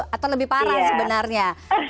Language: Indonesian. atau lebih parah sebenarnya